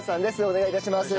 お願い致します。